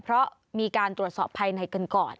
เพราะมีการตรวจสอบภายในกันก่อน